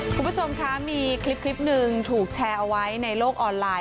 คุณผู้ชมคะมีคลิปหนึ่งถูกแชร์เอาไว้ในโลกออนไลน์